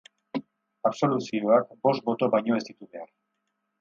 Absoluzioak bost boto baino ez ditu behar.